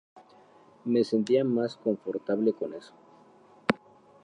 Me sentía más confortable con eso.